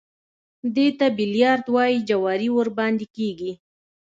دې ته بيليارډ وايي جواري ورباندې کېږي.